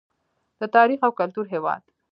د تاریخ او کلتور هیواد.